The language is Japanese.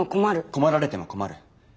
困られても困る。